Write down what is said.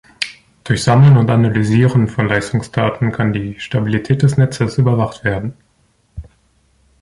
Durch Sammeln und Analysieren von Leistungsdaten kann die Stabilität des Netzes überwacht werden.